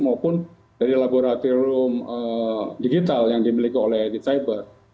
maupun dari laboratorium digital yang dimiliki oleh edit cyber